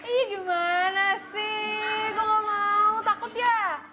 ih gimana sih gue gak mau takut ya